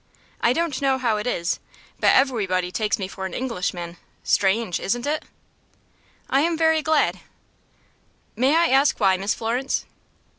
I don't know how it is, but evewybody takes me for an Englishman. Strange, isn't it?" "I am very glad." "May I ask why, Miss Florence?"